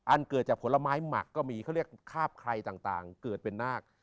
เกิดจากผลไม้หมักก็มีเขาเรียกคาบใครต่างเกิดเป็นนาค